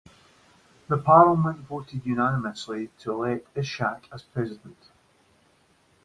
The Parliament voted unanimously to elect Ishak as president.